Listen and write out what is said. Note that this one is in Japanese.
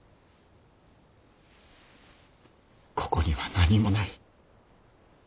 ここには何もない。